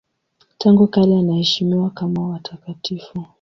Tangu kale anaheshimiwa kama watakatifu.